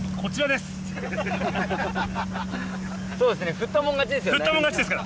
振ったもん勝ちですから。